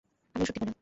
আমি ওষুধ দিব না।